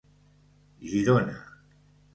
Girona